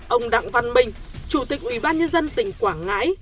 ông đặng văn minh chủ tịch ubnd tỉnh quảng ngãi